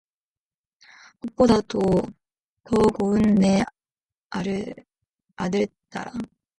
꽃보다도 더 고운 내 아들딸아.